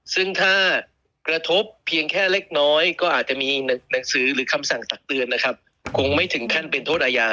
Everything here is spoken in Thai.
ซึ่งถ้ากระทบเพียงแค่เล็กน้อยก็อาจจะมีหนังสือหรือคำสั่งตักเตือนนะครับคงไม่ถึงขั้นเป็นโทษอาญา